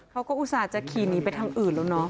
อุตส่าห์จะขี่หนีไปทางอื่นแล้วเนาะ